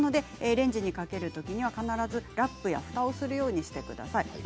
レンジにかけるときは必ずラップや、ふたをするようにしてください。